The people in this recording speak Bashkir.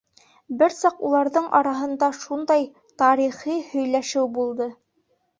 Бер саҡ уларҙың араһында шундай «тарихи» һөйләшеү булды.